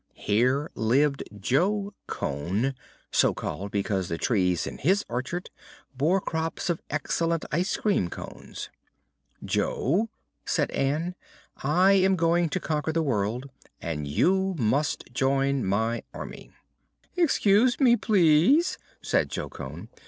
Here lived Jo Cone, so called because the trees in his orchard bore crops of excellent ice cream cones. "Jo," said Ann, "I am going to conquer the world, and you must join my Army." "Excuse me, please," said Jo Cone.